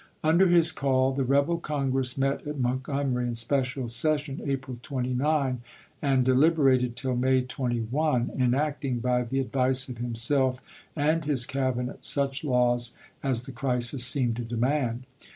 Under his call the rebel Congress met at Mont gomery in special session, April 29, and deliberated isei. till May 21, enacting, by the advice of himself and his Cabinet, such laws as the crisis seemed to demand.